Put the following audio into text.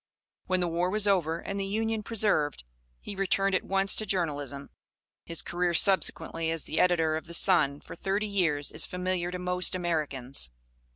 When the war was over and the Union preserved, he returned at once to journalism. His career subsequently as the editor of The Sun for thirty years is familiar to most Americans.